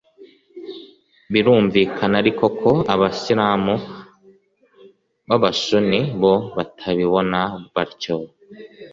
birumvikana ariko ko abisilamu b’abasuni bo batabibona batyo